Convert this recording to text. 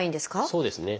そうですね。